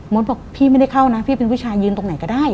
บอกพี่ไม่ได้เข้านะพี่เป็นผู้ชายยืนตรงไหนก็ได้